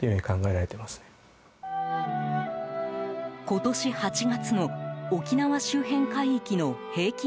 今年８月の沖縄周辺海域の平均